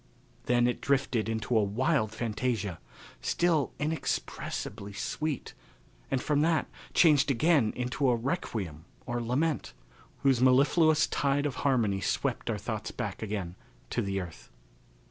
Then it drifted into a wild fantasia, still inexpressibly sweet, and from that changed again into a requiem or lament, whose mellifluous tide of harmony swept our thoughts back again to the earth.